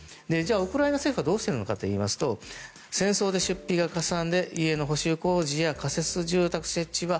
ウクライナ政府はどうしているかというと戦争で出費がかさんで家の補修工事や仮設住宅設置は